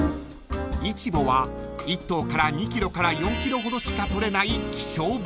［イチボは１頭から２ｋｇから４ｋｇほどしか取れない］